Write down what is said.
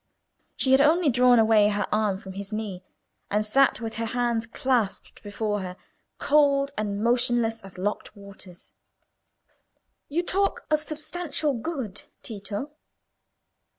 She had only drawn away her arm from his knee, and sat with her hands clasped before her, cold and motionless as locked waters. "You talk of substantial good, Tito!